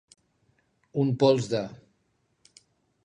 Un pols de.